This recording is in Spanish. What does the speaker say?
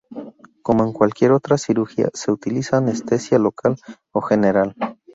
Como en cualquier otra cirugía, se utiliza anestesia local o general.